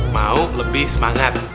mau lebih semangat